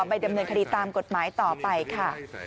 ไปดำเนินคดีตามกฎหมายต่อไปค่ะ